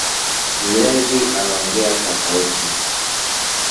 Mlevi anaongea kwa sauti